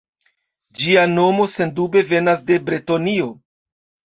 Ĝia nomo sendube venas de Bretonio.